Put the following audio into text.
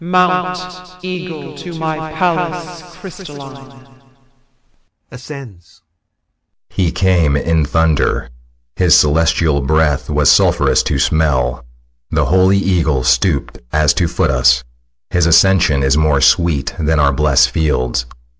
Mount, eagle, to my palace crystalline. [Ascends] SICILIUS. He came in thunder; his celestial breath Was sulpherous to smell; the holy eagle Stoop'd as to foot us. His ascension is More sweet than our blest fields.